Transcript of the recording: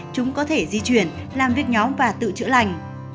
chúng có thể di chuyển làm việc nhóm và tự chữa lành